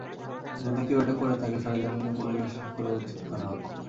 যদি কেউ এটা করে থাকে, সরেজমিনে পরিদর্শন করে উচ্ছেদ করা হবে।